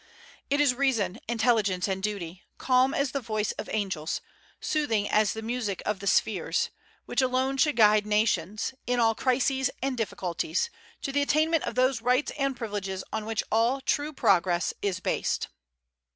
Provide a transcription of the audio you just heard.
it is Reason, Intelligence, and Duty, calm as the voices of angels, soothing as the "music of the spheres," which alone should guide nations, in all crises and difficulties, to the attainment of those rights and privileges on which all true progress is based.